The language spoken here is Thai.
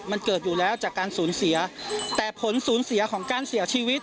มันเกิดอยู่แล้วจากการสูญเสียแต่ผลสูญเสียของการเสียชีวิต